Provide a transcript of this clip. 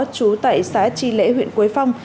chú tại xã chi lễ huyện quế phong